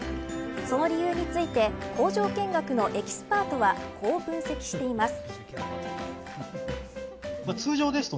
その理由について工場見学のエキスパートはこう分析しています。